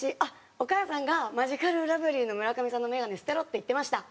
お母さんがマヂカルラブリーの村上さんのメガネ捨てろって言ってました。